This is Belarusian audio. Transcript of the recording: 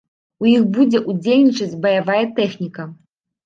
У іх будзе ўдзельнічаць баявая тэхніка.